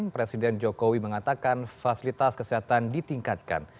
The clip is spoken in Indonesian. presiden jokowi mengatakan fasilitas kesehatan ditingkatkan